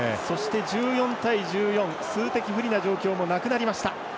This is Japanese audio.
１４対１４、数的不利な状況もなくなりました。